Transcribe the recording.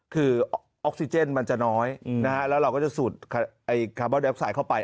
คือออกซิเจนมันจะน้อยนะฮะแล้วเราก็จะสูดคาร์บอนแอฟไซด์เข้าไป